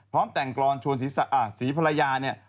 พร้อมแต่งกรรมชวนศรีภรรยาเนี่ย